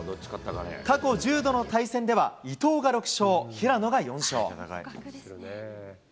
過去１０度の対戦では、伊藤が６勝、平野が４勝。